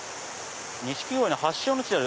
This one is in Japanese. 錦鯉の発祥の地。